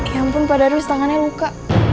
ya ampun pak darwis tangannya luka